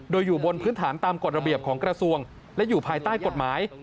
โดยอยู่บนพื้นฐานตามกฎระเบียบของกระทรวงและอยู่ภายใต้กฎหมาย